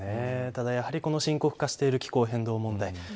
ただやはりこの深刻化している気候変動問題。